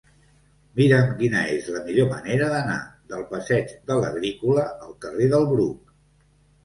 Mira'm quina és la millor manera d'anar del passeig de l'Agrícola al carrer del Bruc.